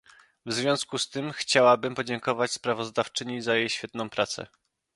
W związku z tym chciałabym podziękować sprawozdawczyni za jej świetną pracę